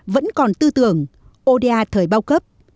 vẫn còn tư tưởng oda thời bao cấp